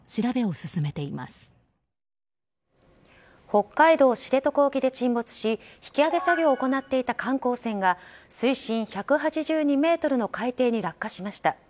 北海道知床沖で沈没し引き揚げ作業を行っていた観光船が水深１８２ｍの海底に落下しました。